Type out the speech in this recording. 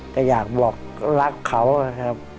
แต่อยากบอกรักเขานะครับ